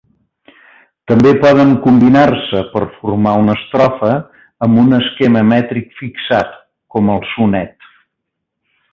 També poden combinar-se per formar una estrofa, amb un esquema mètric fixat, com el sonet.